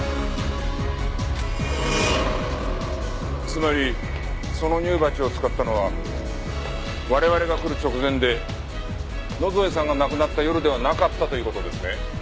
つまりその乳鉢を使ったのは我々が来る直前で野添さんが亡くなった夜ではなかったという事ですね？